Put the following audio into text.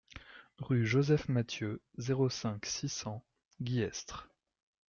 Rue Joseph Mathieu, zéro cinq, six cents Guillestre